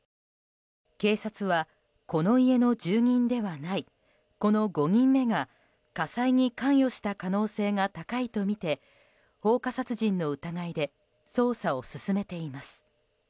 警察は、この家の住人ではないこの５人目が火災に関与した可能性が高いとみて放火殺人の疑いで捜査を進めています。